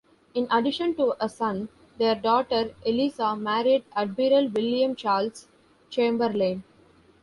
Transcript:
In addition to a son, their daughter Eliza married Admiral William Charles Chamberlain.